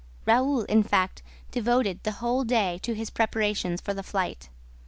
Raoul, in fact, devoted the whole day to his preparations for the flight.